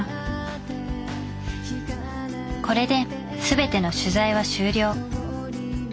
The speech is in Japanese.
これで全ての取材は終了。